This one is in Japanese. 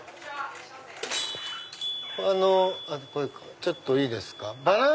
ちょっといいですか。